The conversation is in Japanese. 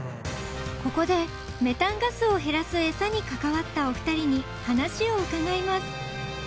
［ここでメタンガスを減らす餌に関わったお二人に話を伺います］